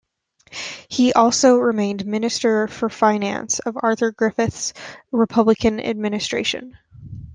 He also remained Minister for Finance of Arthur Griffith's republican administration.